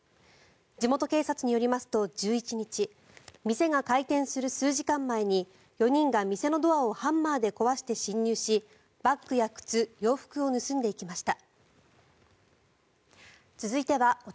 地元警察によりますと１１日、店が開店する数時間前に４人が、店のドアをハンマーで壊して侵入しバッグや靴洋服を盗んでいきました。